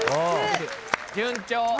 順調。